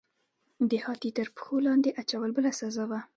د هاتي تر پښو لاندې اچول بله سزا وه.